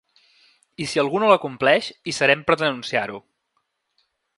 I si algú no la compleix, hi serem per denunciar-ho.